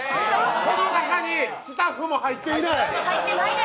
この中にスタッフも入っていない！